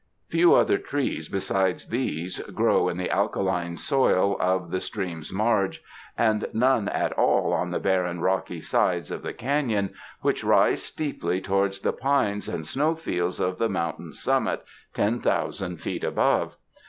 Few other trees besides these grow in the alkaline soil of the stream's marge, and none at all on the barren, rocky sides of the canon which rise steeply towards the pines and snowfields of the mountain's summit, ten thousand feet above.